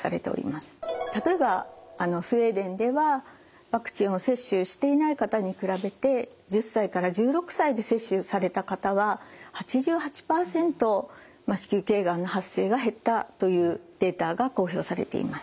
例えばスウェーデンではワクチンを接種していない方に比べて１０歳から１６歳で接種された方は８８％子宮頸がんの発生が減ったというデータが公表されています。